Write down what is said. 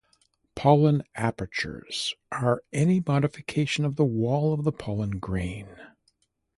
Pollen apertures are any modification of the wall of the pollen grain.